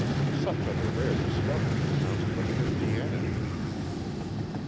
Such are the rare discoveries, announced by Christianity!